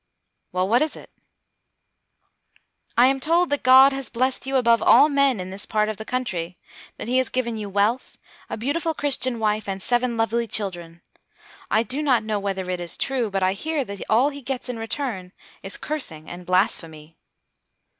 "Well, what is it?" "I am told that God has blessed you above all men in this part of the country; that he has given you wealth, a beautiful Christian wife, and seven lovely children. I do not know whether it is true, but I hear that all he gets in return is cursing and blasphemy."